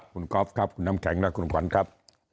คุณก๊อฟคุณน้ำแข็งและคุณขวัญครับ